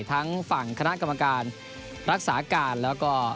ทั้งฝั่งคณะกรรมการรักษาการแล้วก็